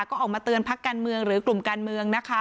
ก็ออกมาเตือนพักการเมืองหรือกลุ่มการเมืองนะคะ